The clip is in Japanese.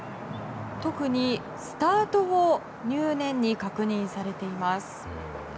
特にスタートを入念に確認されています。